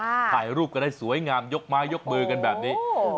ค่ะถ่ายรูปก็ได้สวยงามยกม้ายกมือกันแบบนี้โอ้โฮ